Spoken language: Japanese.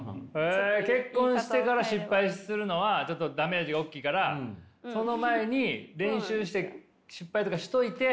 結婚してから失敗するのはちょっとダメージが大きいからその前に練習して失敗とかしといて。